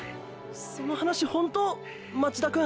その話本当⁉町田くん。